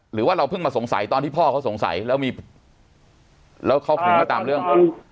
หรือว่าเราเพิ่งมาสงสัยตอนที่พ่อเขาสงสัยแล้วมีแล้วเขาถึงมาตามเรื่อง